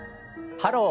「ハロー！